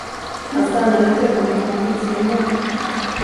Han stannade ett ögonblick, när han fick se en man.